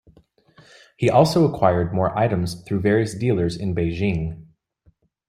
He also acquired more items through various dealers in Beijing.